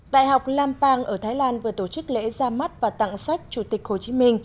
đại học lampang ở thái lan vừa tổ chức lễ ra mắt và tặng sách chủ tịch hồ chí minh